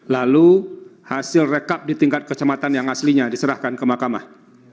lalu hasil rekap di tingkat kecamatan yang aslinya diserahkan ke mahkamah